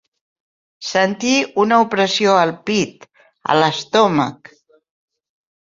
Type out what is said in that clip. Sentir una opressió al pit, a l'estómac.